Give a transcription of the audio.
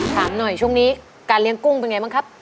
ถามหน่อยช่วงนี้การเลี้ยงกุ้งเป็นไงบ้างครับ